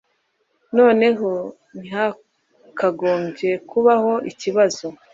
Noneho ntihakagombye kubaho ikibazo.